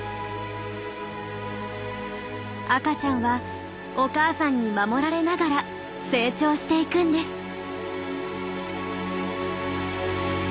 赤ちゃんはお母さんに守られながら成長していくんです。